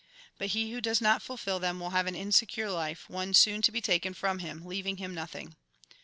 But he who does not fulfil them will have an insecure life ; one soon to be taken from him, leaving him nothing."